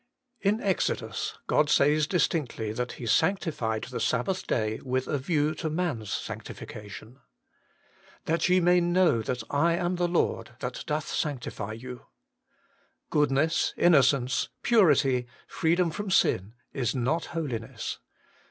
In Exodus, God says distinctly that He sanctified the Sabbath day, with a view to man's Sanctification. ' That ye may know that I am the Lord that doth sanctify you' Goodness, innocence, purity, freedom from sin, is not Holiness.